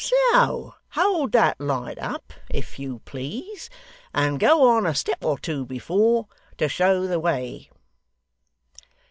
So hold that light up, if you please, and go on a step or two before, to show the way.